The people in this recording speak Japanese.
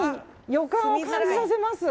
予感を感じさせます。